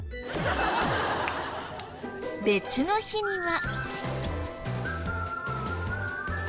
別の日には。